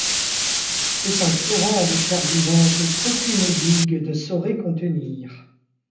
C’est un torrent de chair vivante qu’aucune digue ne saurait contenir.